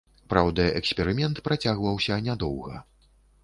Праўда, эксперымент працягваўся нядоўга.